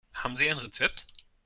Haben Sie ein Rezept?